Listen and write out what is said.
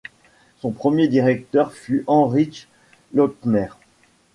Son premier directeur fut Heinrich Lottner.